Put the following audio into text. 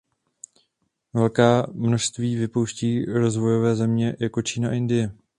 Velká množství vypouštějí rozvojové země jako Čína a Indie.